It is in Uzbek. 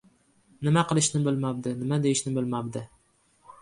Nima qilishini bilmabdi, nima deyishini bilmabdi.